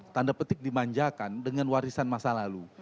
tanda petik dimanjakan dengan warisan masa lalu